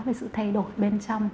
về sự thay đổi bên trong